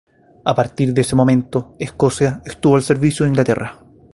A partir de ese momento Escocia estuvo al servicio de Inglaterra.